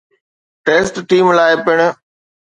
test team لاء پڻ